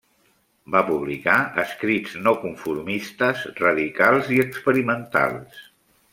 Va publicar escrits no-conformistes, radicals i experimentals.